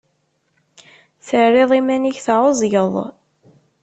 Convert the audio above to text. Terriḍ iman-ik tɛuẓẓgeḍ.